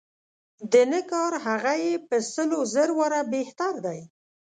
د نه کار هغه یې په سل و زر واره بهتر دی.